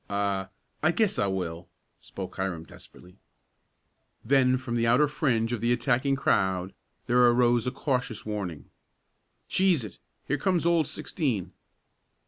"I I guess I will!" spoke Hiram desperately. Then from the outer fringe of the attacking crowd there arose a cautious warning. "Cheese it! Here comes old Sixteen!"